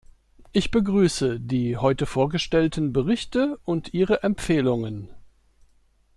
Ich begrüße die heute vorgestellten Berichte und ihre Empfehlungen.